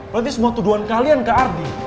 berarti semua tuduhan kalian ke ardi